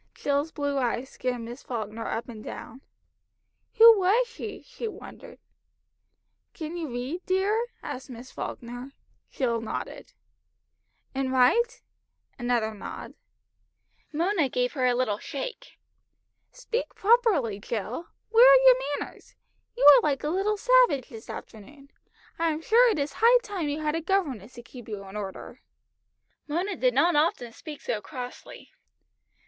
Jill's blue eyes scanned Miss Falkner up and down. "Who was she?" she wondered. "Can you read, dear?" asked Miss Falkner. Jill nodded. "And write?" Another nod. Mona gave her a little shake. "Speak properly, Jill. Where are your manners? You are like a little savage this afternoon. I am sure it is high time you had a governess to keep you in order." Mona did not often speak so crossly.